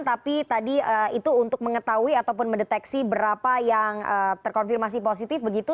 tapi tadi itu untuk mengetahui ataupun mendeteksi berapa yang terkonfirmasi positif begitu